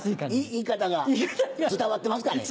言い方が伝わってますかね？